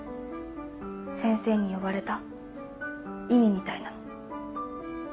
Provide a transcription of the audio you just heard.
先生に呼ばれた意味みたいなの。